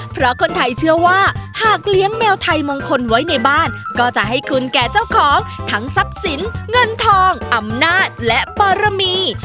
เพราะคนไทยเชื่อว่าหากเลี้ยงแมวไทยมงคลไว้ในบ้านก็จะให้คุณแก่เจ้าของทั้งทรัพย์สินเงินทองอำนาจและปรมี